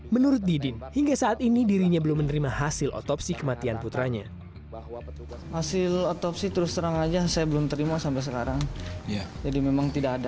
menurut didin hingga saat ini dirinya belum menerima hasil otopsi kematian putranya